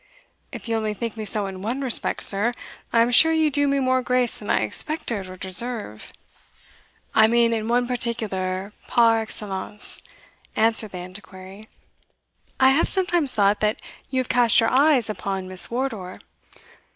"If you only think me so in one respect, sir, I am sure you do me more grace than I expected or deserve." "I mean in one particular par excellence," answered the Antiquary. "I have sometimes thought that you have cast your eyes upon Miss Wardour."